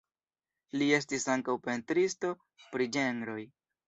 Li estis ankaŭ pentristo pri ĝenroj.